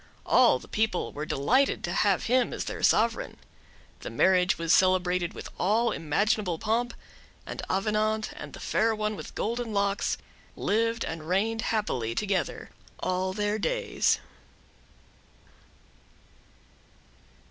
All the people were delighted to have him as their sovereign. The marriage was celebrated in all imaginable pomp, and Avenant and the Fair One with Golden Locks lived and reigned happily together all their days.